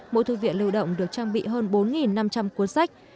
mỗi thư viện lưu động được trang bị hơn bốn năm trăm linh cuốn sách